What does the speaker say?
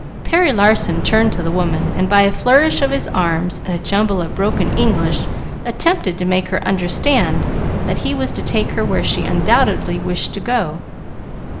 Perry Larson turned to the woman, and by a flourish of his arms and a jumble of broken English attempted to make her understand that he was to take her where she undoubtedly wished to go.